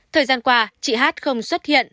thời gian qua chị h không xuất hiện